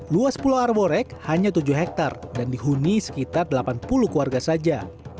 luas pulau arborek hanya tujuh hektare dan dihuni sekitar delapan puluh keluarga saja